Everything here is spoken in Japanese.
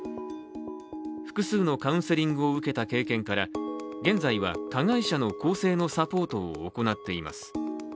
複数のカウンセリングを受けた経験から現在は、加害者の更生のサポートを行っています。